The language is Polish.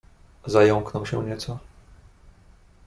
"Zająknął się nieco."